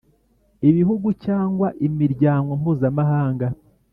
ibihugu cyangwa imiryango mpuzamahanga